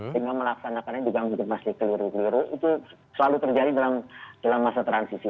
sehingga melaksanakannya juga mungkin masih keliru keliru itu selalu terjadi dalam masa transisi